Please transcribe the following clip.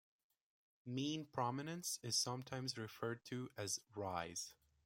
"Mean" prominence is sometimes referred to as "rise".